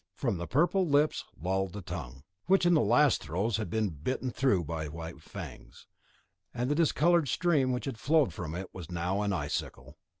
From the purple lips lolled the tongue, which in the last throes had been bitten through by the white fangs, and a discoloured stream which had flowed from it was now an icicle.